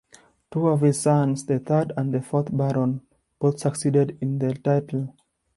Two of his sons, the third and fourth Baron, both succeeded in the title.